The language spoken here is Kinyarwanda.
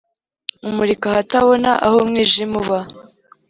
Umurika ahatabona Aho umwijima uba